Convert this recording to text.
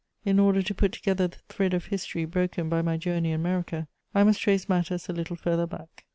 In order to put together the thread of history broken by my journey in America, I must trace matters a little further back.